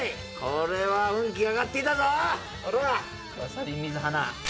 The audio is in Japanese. これは運気上がって来たぞ！